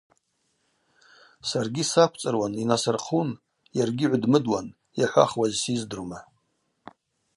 Саргьи саквцӏыруан, йнасырхъун, йаргьи гӏвыдмыдуан – йахӏвахуаз сиздрума.